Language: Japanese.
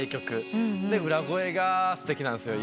裏声がすてきなんですよ。